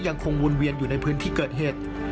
ยังคงวนเวียนอยู่ในพื้นที่เกิดเหตุ